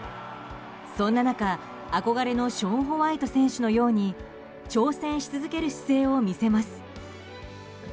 そんな中、憧れのショーン・ホワイト選手のように挑戦し続ける姿勢を見せます。